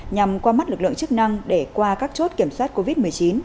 nhằm qua mắt lực lượng chức năng để qua các chốt kiểm soát covid một mươi chín